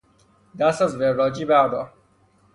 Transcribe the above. دست از وراجی بردار!